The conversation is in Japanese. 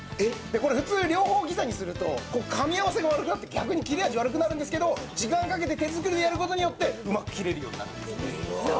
普通、両方ギザにするとかみ合わせが悪くなって逆に切れ味悪くなるんですけど時間をかけて手作りでやることによってうまく切れるようになるんです。